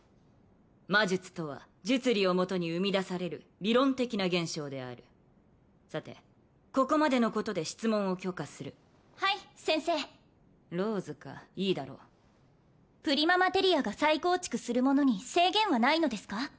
魔術とは術理を元に生み出される理論的な現象であるさてここまでのことで質問を許可するはい先生ローズかいいだろうプリママテリアが再構築するものに制限はないのですか？